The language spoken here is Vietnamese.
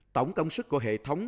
tổng công sức của hệ thống